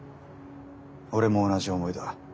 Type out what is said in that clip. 俺も同じ思いだ。